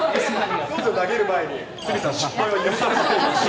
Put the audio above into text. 投げる前に、鷲見さん、失敗は許されませんって。